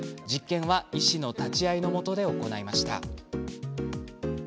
実験は医師の立ち合いのもとで行いました。